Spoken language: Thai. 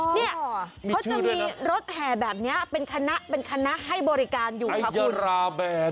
เพราะจะมีรถแหลมแบบนี้เป็นคณะให้บริการอยู่ของผู้